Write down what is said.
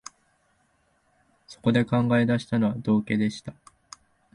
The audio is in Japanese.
そこで考え出したのは、道化でした